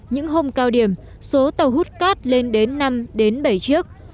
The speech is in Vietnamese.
những hôm cao điểm số tàu hút cát lên đến năm bảy chiếc